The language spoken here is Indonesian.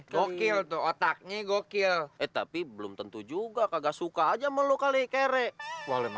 gokil tuh otaknya gokil eh tapi belum tentu juga kagak suka aja malu kali kere woleh